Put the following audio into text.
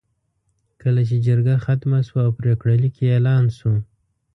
کله چې جرګه ختمه شوه او پرېکړه لیک یې اعلان شو.